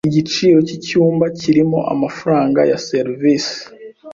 Igiciro cyicyumba kirimo amafaranga ya serivisi?